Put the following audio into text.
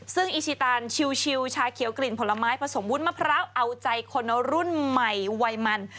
ซึ่งอีชิตานชิวชาเขียวกลิ่นผลไม้ผสมวุ้นมะพร้าวเอาใจคนรุ่นใหม่วัยมัน